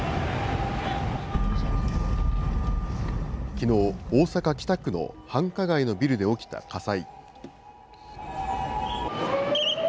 きのう、大阪・北区の繁華街のビルで起きた火災。